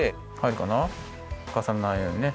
うかさないようにね。